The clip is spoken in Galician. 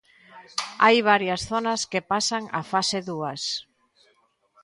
Hai varias zonas que pasan á fase dúas.